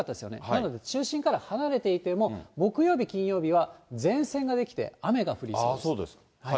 なので中心から離れていても、木曜日、金曜日は前線が出来て雨が降りそうです。